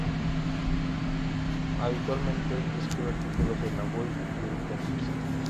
Habitualmente escribe artículos en Avui y El Temps.